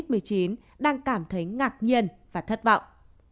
các biện pháp phòng chống dịch covid một mươi chín đang cảm thấy ngạc nhiên và thất vọng